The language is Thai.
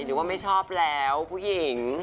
หรือว่าไม่ชอบแล้วผู้หญิง